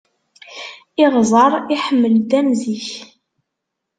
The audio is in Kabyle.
Iɣẓer iḥemmel-d am zik.